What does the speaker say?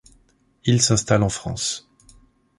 Il s’installe en France.